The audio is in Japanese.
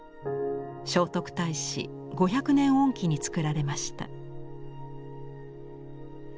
聖徳太子５００年遠忌に作られました。